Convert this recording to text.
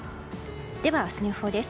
では、明日の予報です。